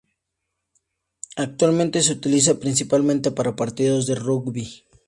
Actualmente se utiliza principalmente para partidos de rugby.